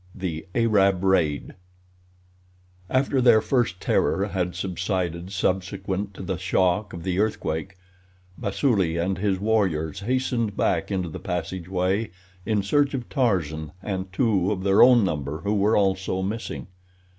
The Arab Raid After their first terror had subsided subsequent to the shock of the earthquake, Basuli and his warriors hastened back into the passageway in search of Tarzan and two of their own number who were also missing.